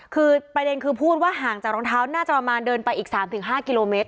คือประเด็นคือพูดว่าห่างจากรองเท้าน่าจะประมาณเดินไปอีก๓๕กิโลเมตร